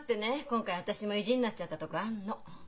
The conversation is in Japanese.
今回私も意地になっちゃったとこあんの。